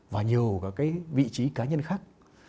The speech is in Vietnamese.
và nhiều cái vị trí cá nhân khác